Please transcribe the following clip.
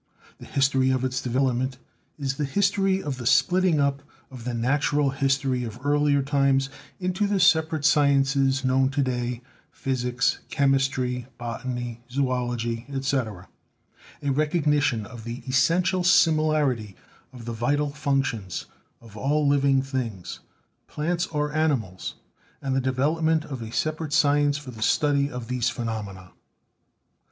The history of its development is the history of the splitting up of the Natural History of earlier times into the separate sciences known to day, physics, chemistry, botany, zoology, etc. ; a recognition of the essential similarity of the vital functions of all living things, plants or animals; and the development of a separate science for the study of these phenomena.